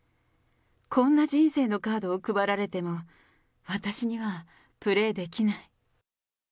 こんな人生のカードを配られても、私にはプレーできない。